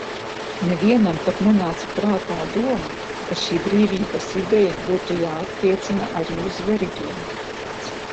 Nevienam pat nenāca prātā doma, ka šī brīvības ideja būtu jāattiecina arī uz vergiem.